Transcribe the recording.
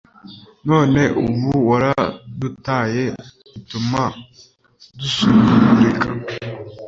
none ubu waradutaye, bituma dusuzugurika